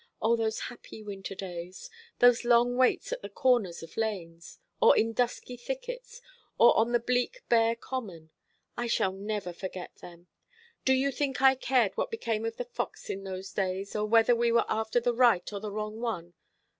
O, those happy winter days, those long waits at the corners of lanes, or in dusky thickets, or on the bleak bare common! I shall never forget them. Do you think I cared what became of the fox in those days, or whether we were after the right or the wrong one?